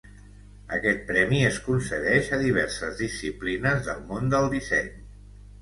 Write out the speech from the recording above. Aquest premi es concedeix a diverses disciplines del món del disseny.